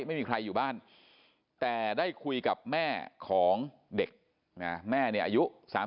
ไม่มีใครอยู่บ้านแต่ได้คุยกับแม่ของเด็กนะแม่เนี่ยอายุ๓๓